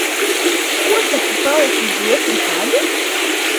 Ko tad tu paliki uz otru gadu?